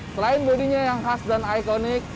selain bodinya yang khas dan ikonik